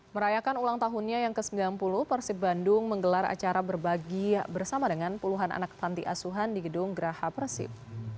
merayakan ulang tahunnya yang ke sembilan puluh persib bandung menggelar acara berbagi bersama dengan puluhan anak panti asuhan di gedung geraha persib